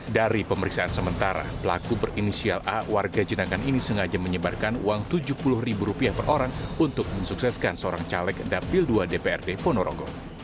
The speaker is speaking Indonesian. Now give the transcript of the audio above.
dari pemeriksaan sementara pelaku berinisial a warga jenangan ini sengaja menyebarkan uang rp tujuh puluh ribu rupiah per orang untuk mensukseskan seorang caleg dapil dua dprd ponorogo